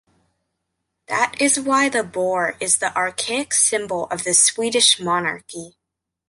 That is why the boar is the archaic symbol of the Swedish monarchy.